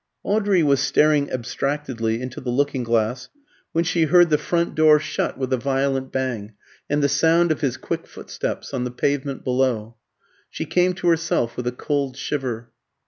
Audrey was staring abstractedly into the looking glass, when she heard the front door shut with a violent bang, and the sound of his quick footsteps on the pavement below. She came to herself with a cold shiver.